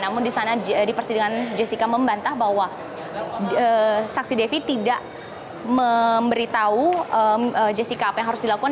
namun di sana di persidangan jessica membantah bahwa saksi devi tidak memberitahu jessica apa yang harus dilakukan